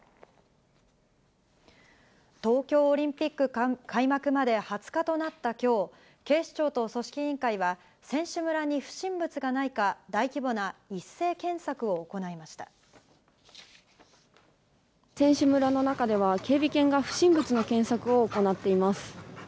東京オリンピック開幕まで２０日となったきょう、警視庁と組織委員会は、選手村に不審物がないか、選手村の中では、警備犬が不審物の検索を行っています。